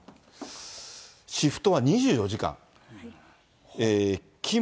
シフトは２４時間、勤務